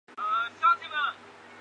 在她六十岁时